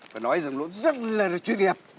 phải nói dòng lỗ rất là là chuyên nghiệp